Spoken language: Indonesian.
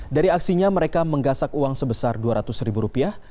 dari aksinya mereka menggasak uang sebesar dua ratus ribu rupiah